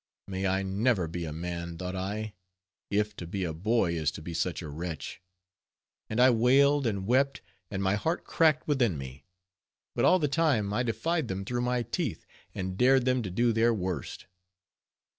May I never be a man, thought I, if to be a boy is to be such a wretch. And I wailed and wept, and my heart cracked within me, but all the time I defied them through my teeth, and dared them to do their worst.